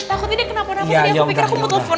aku gak tau takutnya kenapa napa